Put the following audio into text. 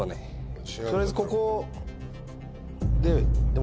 取りあえずここで。